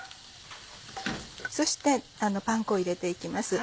そしてパン粉を入れて行きます。